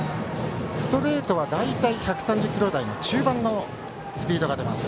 ストレートは大体１３０キロ台の中盤のスピードが出ます。